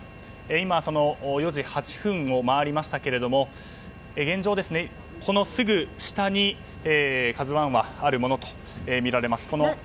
今、４時８分を回りましたが現状、このすぐ下に「ＫＡＺＵ１」はあるものとみられます。